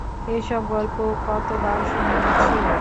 এ সব গল্প কতবার শুনিয়াছে।